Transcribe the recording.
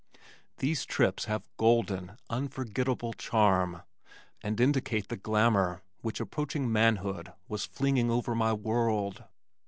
These trips have golden, unforgettable charm, and indicate the glamor which approaching manhood was flinging over my world.